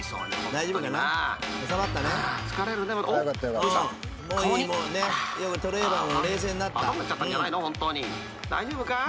大丈夫かい？］